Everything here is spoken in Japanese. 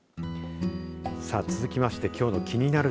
さあ、続きましてきょうのキニナル！